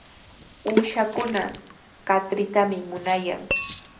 Uushakuna katritami munayan.